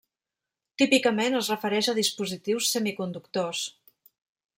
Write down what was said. Típicament es refereix a dispositius semiconductors.